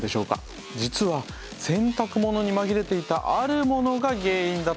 実は洗濯物に紛れていたあるものが原因だったんです。